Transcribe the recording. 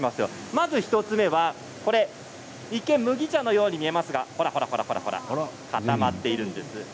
まず１つ目は、一見麦茶のように見えますが固まっているんです。